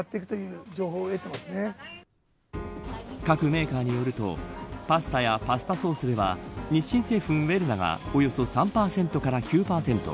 各メーカーによるとパスタやパスタソースでは日清製粉ウェルナがおよそ３％から９％